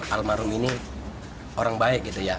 almarhum ini orang baik gitu ya